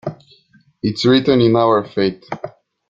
Its written in our fate.